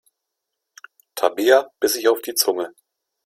Tabea biss sich auf die Zunge.